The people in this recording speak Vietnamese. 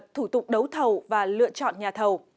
thủ tục đấu thầu và lựa chọn nhà thầu